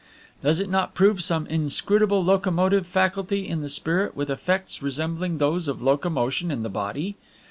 Does it not prove some inscrutable locomotive faculty in the spirit with effects resembling those of locomotion in the body?